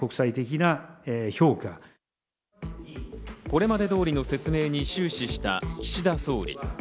これまで通りの説明に終始した岸田総理。